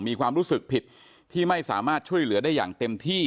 มีความรู้สึกผิดที่ไม่สามารถช่วยเหลือได้อย่างเต็มที่